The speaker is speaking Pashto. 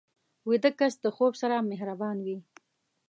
ویده کس د خوب سره مهربان وي